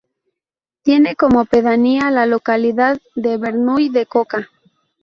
Tiene como pedanía la localidad de Bernuy de Coca.